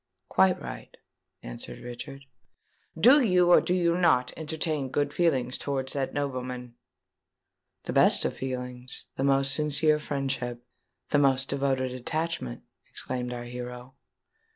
"Quite right," answered Richard. "Do you, or do you not, entertain good feelings towards that nobleman?" "The best feelings—the most sincere friendship—the most devoted attachment," exclaimed our hero.